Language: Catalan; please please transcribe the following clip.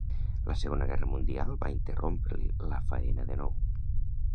La Segona Guerra Mundial va interrompre-li la faena de nou.